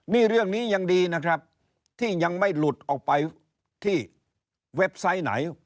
นี่เรื่องนี้ยังดีนะครับที่ยังไม่หลุดออกไปที่เว็บไซต์ไหน